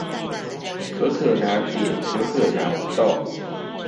可可拿鐵，可可拿不動